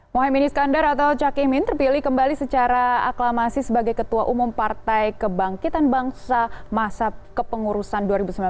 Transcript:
mohaimin iskandar atau cak imin terpilih kembali secara aklamasi sebagai ketua umum partai kebangkitan bangsa masa kepengurusan dua ribu sembilan belas